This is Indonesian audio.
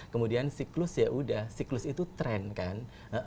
kemudian cyklus ya udah cyklus itu tren kan